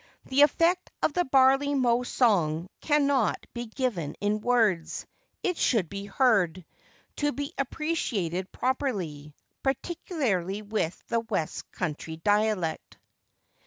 The effect of the Barley mow Song cannot be given in words; it should be heard, to be appreciated properly,—particularly with the West country dialect.